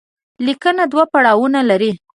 ليکنه دوه پړاوونه لري.